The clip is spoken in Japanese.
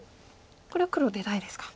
これは黒出たいですか。